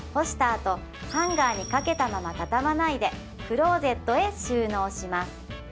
あとハンガーに掛けたまま畳まないでクローゼットへ収納します